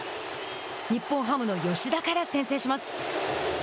日本ハムの吉田から先制します。